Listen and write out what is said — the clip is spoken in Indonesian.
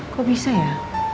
kok bisa ya